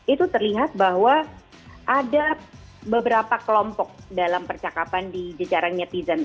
itu terlihat bahwa ada beberapa kelompok dalam percakapan di jajaran netizen